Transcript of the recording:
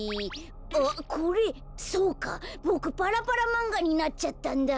あっこれそうか！ボクパラパラまんがになっちゃったんだ。